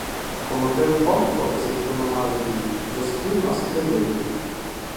Командир полку, з яким ми мали бій, зустрів нас "привітно".